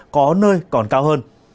có nơi còn cao hơn